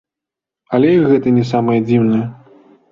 Але і гэта не самае дзіўнае.